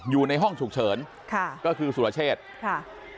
อยู่ในห้องฉุกเฉินค่ะก็คือสุรเชษค่ะ